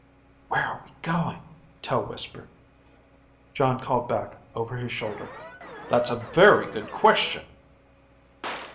"Where are we going?" Tel whispered. Jon called back over his shoulder, "That's a very good question."